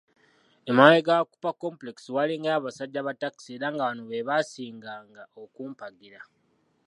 Emabega wa Cooper Complex waalingayo abasajja ba taxi era nga bano be baasinganga okumpagira.